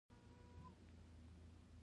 زه د رښتیاوو د ویلو لار نه پريږدم.